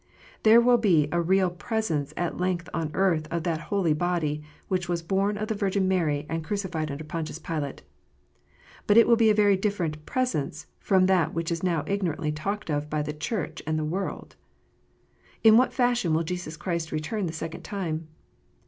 There will be a "real presence " at length on earth of that holy body which was born of the Virgin Mary and crucified under Pontius Pilate. But it will be a very different "presence" from that which is now ignorantly talked of by the Church and the world ! In what fashion will Jesus Christ return the second time